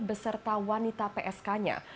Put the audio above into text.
beserta wanita psk nya